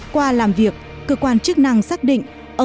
qua làm việc cơ quan chức năng xác định